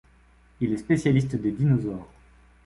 Il est spécialiste des dinosaures.